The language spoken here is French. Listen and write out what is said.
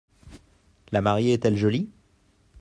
La mariée est-elle jolie ?